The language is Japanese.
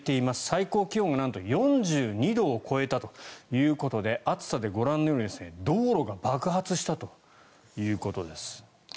最高気温がなんと４２度を超えたということで暑さでご覧のように道路が爆発したということです。